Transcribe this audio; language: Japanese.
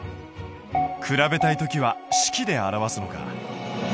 比べたい時は式で表すのか。